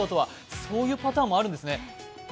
そういうパターンもあるんですね。